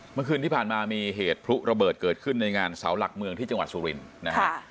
เมื่อคืนที่ผ่านมามีเหตุพลุระเบิดเกิดขึ้นในงานเสาหลักเมืองที่จังหวัดสุรินทร์นะฮะ